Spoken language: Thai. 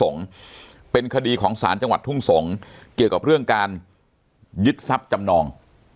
เป็นคดีของศาลจังหวัดทุ่งสงศ์เกี่ยวกับเรื่องการยึดทรัพย์จำนอง